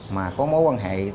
mà có mối quan hệ